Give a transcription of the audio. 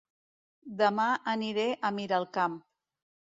Dema aniré a Miralcamp